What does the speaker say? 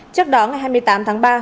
trước đó ngày hai mươi tám tháng ba